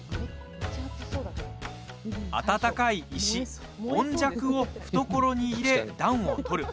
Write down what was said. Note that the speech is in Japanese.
温かい石、温石を懐に入れ暖を取る。